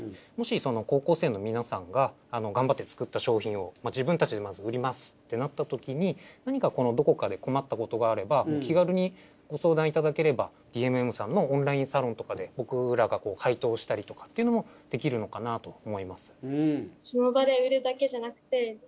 もし高校生の皆さんが頑張って作った商品を自分たちでまず売りますってなったときに何かどこかで困ったことがあれば気軽にご相談いただければＤＭＭさんのオンラインサロンとかで僕らが回答したりとかっていうのもできるのかなと思います。